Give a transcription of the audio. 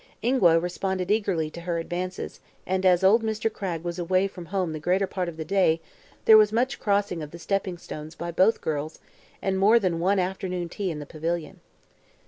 Ingua responded eagerly to her advances and as old Mr. Cragg was away from home the greater part of the day there was much crossing of the stepping stones by both girls and more than one "afternoon tea" in the pavilion.